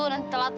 nanti kamu telat